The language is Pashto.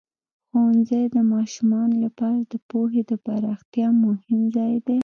ښوونځی د ماشومانو لپاره د پوهې د پراختیا مهم ځای دی.